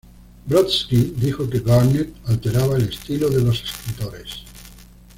Brodsky dijo que Garnett alteraba el estilo de los escritores.